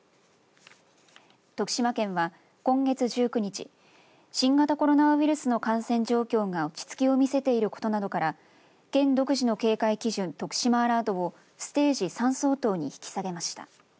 徳島県は今月１９日新型コロナウイルスの感染状況が落ち着きを見せていることなどから県独自の警戒基準とくしまアラートをステージ３相当に引き下げました。